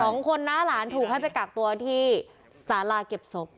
สองคนนะหลานถูกให้ไปกักตัวที่สาราเก็บศพ